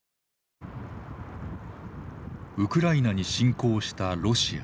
ウクライナに侵攻したロシア。